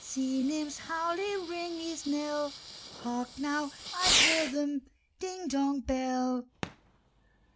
Sea nymphs hourly ring his knell: Hark! now I hear them, ding dong, bell."